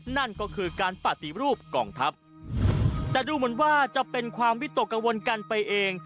นั่นก็คือการปฏิรูปกองทัพแต่ดูเหมือนว่าจะเป็นความวิตกกังวลกันไปเอง